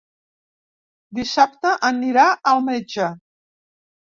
Dissabte anirà al metge.